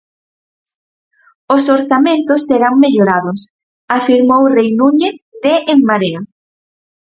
Os orzamentos serán mellorados, afirmou Rei Núñez, de En Marea.